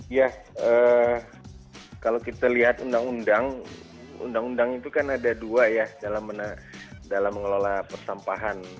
ya kalau kita lihat undang undang undang itu kan ada dua ya dalam mengelola persampahan